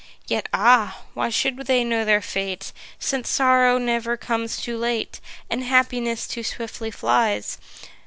Yet ah! why should they know their fate? Since sorrow never comes too late, And happiness too swiftly flies.